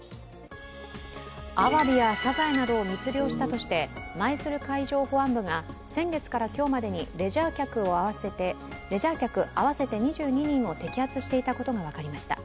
アワビやサザエなどを密漁したとして舞鶴海上保安部が先月から今日までにレジャー客合わせて２２人を摘発していたことが分かりました。